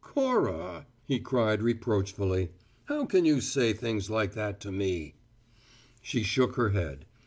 "Cora!" he cried reproachfully, "how can you say things like that to me!" She shook her head.